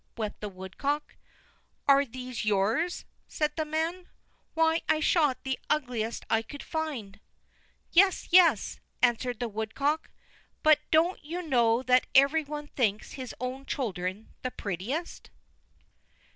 wept the woodcock. "Are these yours?" said the man. "Why, I shot the ugliest I could find." "Yes, yes," answered the woodcock; "but don't you know that every one thinks his own children the prettiest?"